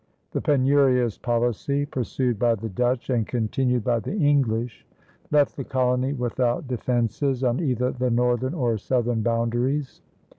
The penurious policy pursued by the Dutch and continued by the English left the colony without defenses on either the northern or southern boundaries.